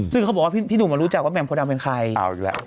ซึ่งเขาบอกว่าพี่หนุ่มก็รู้จักว่าแหม่มโพดัมเป็นใคร